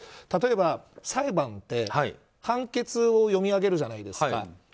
例えば裁判って判決を読み上げるじゃないですか。